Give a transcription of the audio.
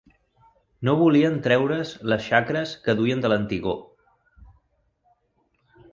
No volien treure-s les xacres que duien de l'antigor